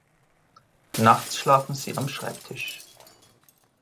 Nachts schlafen sie am Schreibtisch.